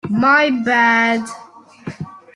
My bad!